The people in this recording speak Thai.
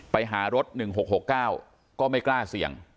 ไปหารถ๑๖๖๙ก็ไม่กล้าเสี่ยง